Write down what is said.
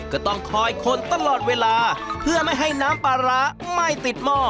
ก็ต้องคอยคนตลอดเวลาเพื่อไม่ให้น้ำปลาร้าไม่ติดหม้อ